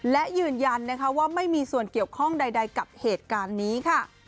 และยืนยันนะคะว่าไม่มีส่วนเกี่ยวข้องใดกับเหตุการณ์นี้ค่ะ